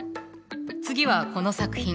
次はこの作品。